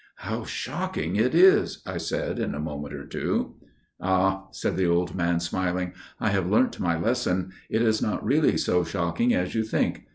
"How shocking it is!" I said in a moment or two. "Ah!" said the old man, smiling, "I have learnt my lesson. It is not really so shocking as you think.